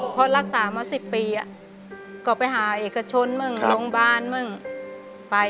พอรักษามา๑๐ปีก็ไปหาเอกชนมึงโรงบาลมึงไป